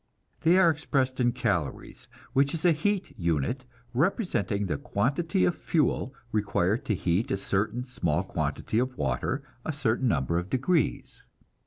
They are expressed in calories, which is a heat unit representing the quantity of fuel required to heat a certain small quantity of water a certain number of degrees.